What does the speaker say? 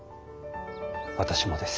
私もです。